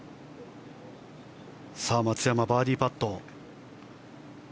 松山、バーディーパット。